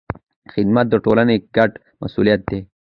خدمت د ټولنې ګډ مسوولیت دی.